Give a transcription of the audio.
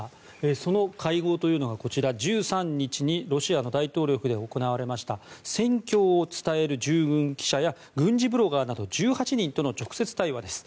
その会合というのが１３日にロシアの大統領府で行われました戦況を伝える従軍記者や軍事ブロガーなど１８人との直接対話です。